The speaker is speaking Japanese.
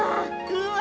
うわ！